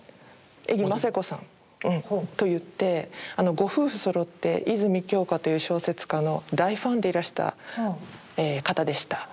江木ませ子さんと言ってご夫婦そろって泉鏡花という小説家の大ファンでいらした方でした。